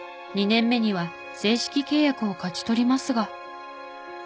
２年目には正式契約を勝ち取りますが。